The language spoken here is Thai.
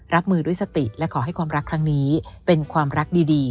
รับมือด้วยสติและขอให้ความรักครั้งนี้เป็นความรักดี